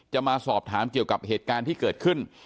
จะมาสอบถามเกี่ยวกับเหตุการณ์ที่เกิดขึ้น